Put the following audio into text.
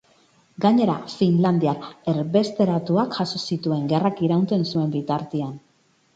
Gainera, finlandiar erbesteratuak jaso zituen, gerrak irauten zuen bitartean.